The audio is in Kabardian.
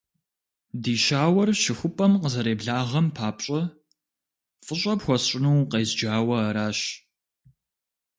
Ди щауэр щыхупӀэм къызэребгъэлам папщӀэ фӀыщӀэ пхуэсщӀыну укъезджауэ аращ.